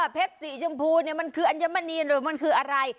สีชมพูเนี่ยมันคืออัญมณีหรือมันคืออะไร